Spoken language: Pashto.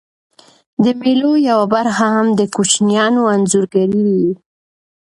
د مېلو یوه برخه هم د کوچنيانو انځورګرۍ يي.